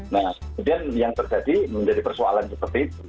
nah kemudian yang terjadi menjadi persoalan seperti itu